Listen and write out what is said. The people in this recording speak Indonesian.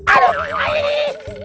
aduh aduh aduh